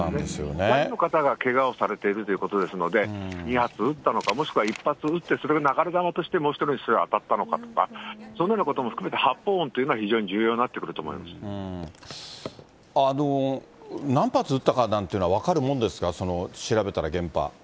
複数の方がけがをされているということですので、２発撃ったのか、もしくは１発撃ってそれが流れ弾として、もう１人の人に当たったのか、そのようなことも含めて、発砲音というのは非常に重要にな何発撃ったかなんていうのは分かるもんですか、調べたら、現場。